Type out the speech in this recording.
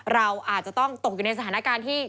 เราอาจจะต้องตกอยู่ในสถานการณ์ที่